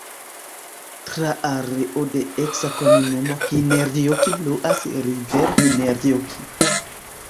Tra areo de eksa komunumo Hinnerjoki fluas rivero Hinnerjoki.